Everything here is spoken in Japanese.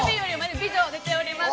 美女が出てきております。